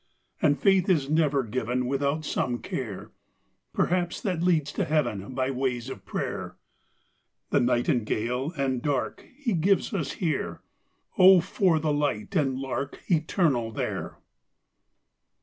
And faith is never given Without some care, Perhaps that leads to Heaven By ways of prayer. The nightingale and dark He gives us here: Oh, for the light and lark Eternal there!